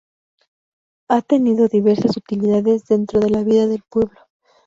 Ha tenido diversas utilidades dentro de la vida del pueblo.